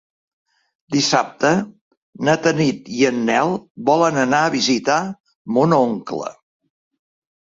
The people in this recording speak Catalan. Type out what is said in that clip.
Dissabte na Tanit i en Nel volen anar a visitar mon oncle.